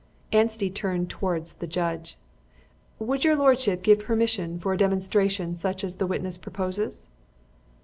Anstey turned towards the judge. "Would your lordship give your permission for a demonstration such as the witness proposes?"